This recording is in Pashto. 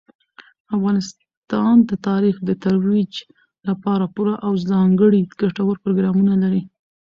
افغانستان د تاریخ د ترویج لپاره پوره او ځانګړي ګټور پروګرامونه لري.